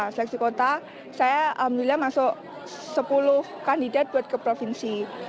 seleksi kota saya alhamdulillah masuk sepuluh kandidat buat ke provinsi